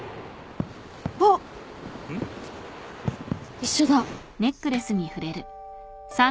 一緒だ。